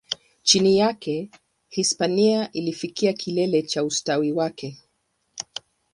Chini yake, Hispania ilifikia kilele cha ustawi wake.